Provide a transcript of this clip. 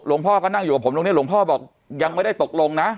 พ่อก็นั่งอยู่กับผมตรงนี้หลวงพ่อบอกยังไม่ได้ตกลงนะ